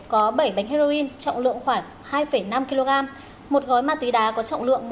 có bảy bánh heroin trọng lượng khoảng hai năm kg một gói ma túy đá có trọng lượng